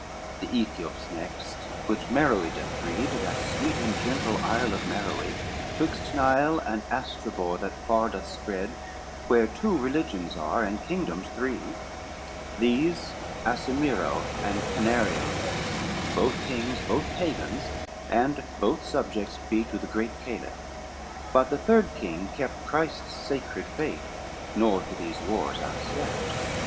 XXIV The Ethiops next which Meroe doth breed, That sweet and gentle isle of Meroe, Twixt Nile and Astrabore that far doth spread, Where two religions are, and kingdoms three, These Assimiro and Canario led, Both kings, both Pagans, and both subjects be To the great Caliph, but the third king kept Christ's sacred faith, nor to these wars outstepped.